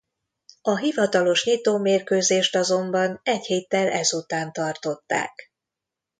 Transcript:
A hivatalos nyitómérkőzést azonban egy héttel ezután tartották.